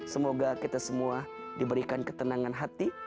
semoga kita semua diberikan ketenangan hati